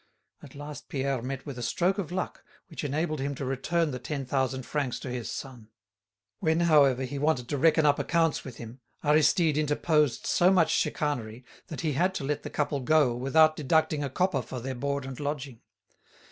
At last Pierre met with a stroke of luck which enabled him to return the ten thousand francs to his son. When, however, he wanted to reckon up accounts with him, Aristide interposed so much chicanery that he had to let the couple go without deducting a copper for their board and lodging.